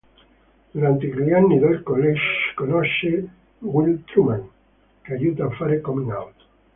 Durante gli anni del college conosce Will Truman, che aiuta a fare coming out.